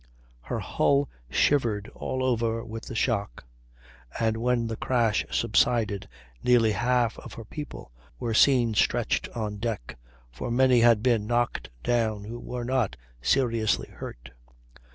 Her hull shivered all over with the shock, and when the crash subsided nearly half of her people were seen stretched on deck, for many had been knocked down who were not seriously hurt.